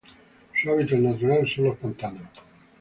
Su hábitat natural son los pantanos.